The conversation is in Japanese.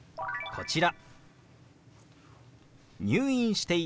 こちら。